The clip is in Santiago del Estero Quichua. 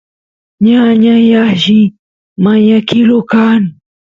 ñañay alli mañakilu kan